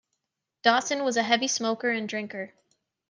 Dawson was a heavy smoker and drinker.